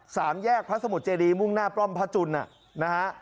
สามแยกพระสมุทรเจดีมุ่งหน้าปล้อมพระจุลนะฮะ